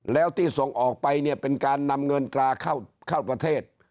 แล้วที่ส่งออกไปเนี่ยเป็นการนำเงินตราเข้าประเทศ